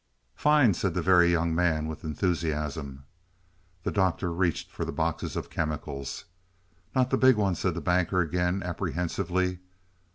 "Fine," said the Very Young Man with enthusiasm. The Doctor reached for the boxes of chemicals. "Not the big one," said the Banker again, apprehensively.